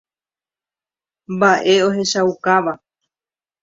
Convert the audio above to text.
Mba'e ohechaukáva.